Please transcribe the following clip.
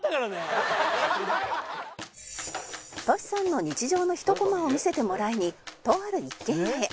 「トシさんの日常の１コマを見せてもらいにとある一軒家へ。